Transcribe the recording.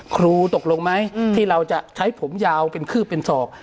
ครูตกลงไหมที่เราจะใช้ผมยาวเป็นคืบเป็นศอก